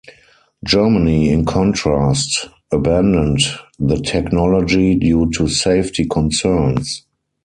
Germany, in contrast, abandoned the technology due to safety concerns.